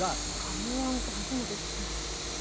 ガムランって初めて聞きました。